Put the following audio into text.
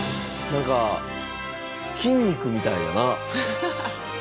何か筋肉みたいやな。